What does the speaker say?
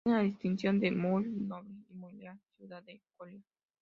Tiene la distinción de "Muy Noble y Muy Leal Ciudad de Coria".